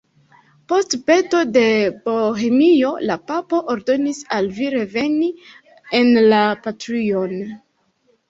Post peto de Bohemio la papo ordonis al li reveni en la patrujon.